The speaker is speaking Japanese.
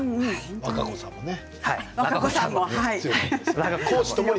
和歌子さんもね。